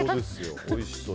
おいしそう。